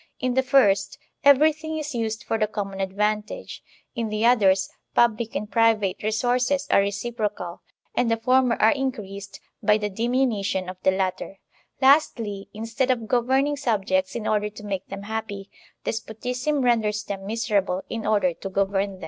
In the first, everything is used for the common advantage; in the others, public and private resources are reciprocal, and the former are increased by the dimi nution of the latter; lastly, instead of governing subjects in order to make them happy, despotism renders them miserable in order to govern them.